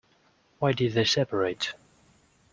Why did they separate?